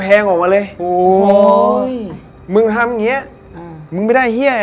เต็มคาราเบล